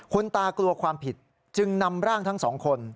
คุณตากลัวความผิดจึงนำร่างทั้งสองคน